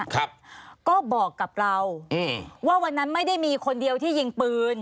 ครับก็บอกกับเราอืมว่าวันนั้นไม่ได้มีคนเดียวที่ยิงปืน